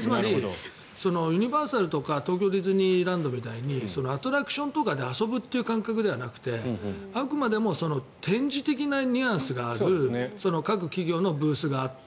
つまり、ユニバーサルとか東京ディズニーランドみたいにアトラクションとかで遊ぶという感覚ではなくてあくまでも展示的なニュアンスがある各企業のブースがあって。